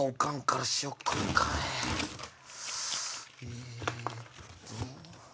えっと。